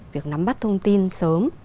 việc nắm bắt thông tin sớm